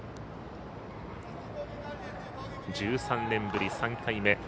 １３年ぶり３回目。